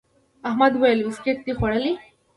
احمد وويل: بيسکیټ دي خوړلي؟